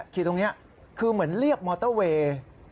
ตรงนี้คือเหมือนเรียบมอเตอร์เวย์